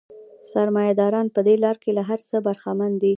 سرمایه داران په دې لار کې له هر څه برخمن دي